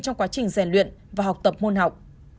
trong quá trình rèn luyện và học tập môn học